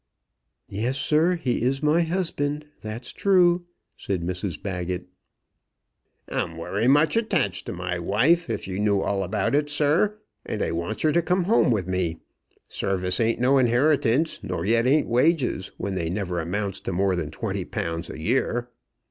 "Yes, sir, he is my husband, that's true," said Mrs Baggett. "I'm wery much attached to my wife, if you knew all about it, sir; and I wants her to come home with me. Service ain't no inheritance; nor yet ain't wages, when they never amounts to more than twenty pounds a year."